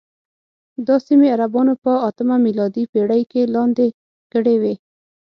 دا سیمې عربانو په اتمه میلادي پېړۍ کې لاندې کړې وې.